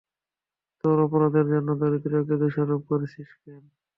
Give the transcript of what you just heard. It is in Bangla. তোর অপরাধের জন্য দারিদ্রকে দোষারোপ করিছিস কেন?